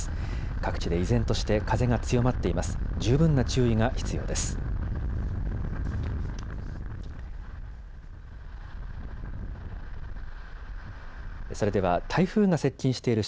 各地で依然として風が強まっています。